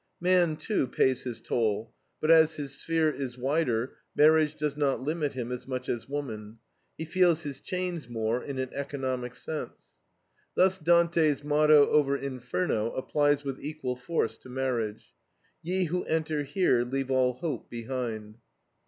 Man, too, pays his toll, but as his sphere is wider, marriage does not limit him as much as woman. He feels his chains more in an economic sense. Thus Dante's motto over Inferno applies with equal force to marriage. "Ye who enter here leave all hope behind."